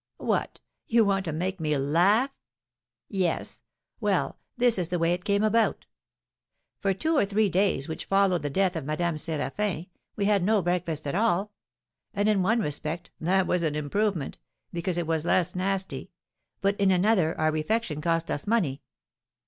'What, you want to make me laugh?' 'Yes. Well, this is the way it came about. For the two or three days which followed the death of Madame Séraphin we had no breakfast at all; and, in one respect, that was an improvement, because it was less nasty, but, in another, our refection cost us money.